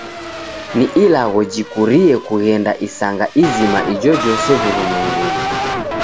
Ni ilagho jikurie kughenda isanga izima ijojose w'urumwengunyi